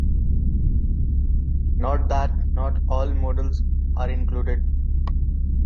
Note that not all models are included.